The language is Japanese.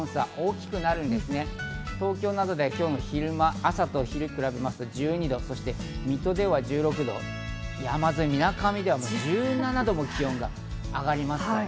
一日の気温差が大きくなるんですね、東京などでは今日の昼間、朝と比べると１２度、水戸では１６度、みなかみでは１７度も気温が上がります。